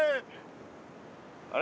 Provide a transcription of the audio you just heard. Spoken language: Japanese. あれ？